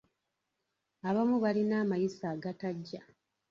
Abamu balina amayisa agatajja.